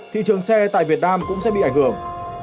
thị trường xe tại việt nam cũng sẽ bị ảnh hưởng